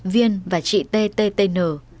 viên và chị tttn